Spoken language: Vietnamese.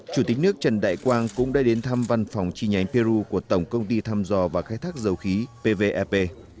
chủ tịch nước trần đại quang cũng đã đến thăm văn phòng chi nhánh peru của tổng công ty thăm dò và khai thác dầu khí pvep